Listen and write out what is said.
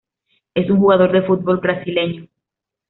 Es un jugador de fútbol brasileño.